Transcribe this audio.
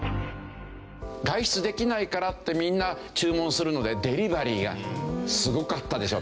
外出できないからってみんな注文するのでデリバリーがすごかったでしょ？